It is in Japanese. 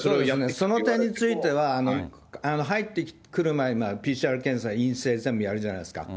その点については、入ってくる前、ＰＣＲ検査陰性、全部やるじゃないですか。